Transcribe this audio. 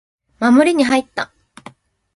守りに入った